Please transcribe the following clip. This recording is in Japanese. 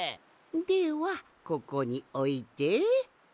ではここにおいて。